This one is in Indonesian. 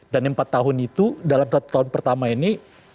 dan yang empat tahun itu dalam satu tahun pertama ini